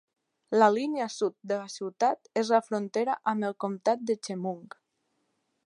La línia sud de la ciutat és la frontera amb el comtat de Chemung.